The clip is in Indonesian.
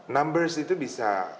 numbers itu bisa